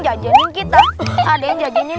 jajanin kita ada yang jajanin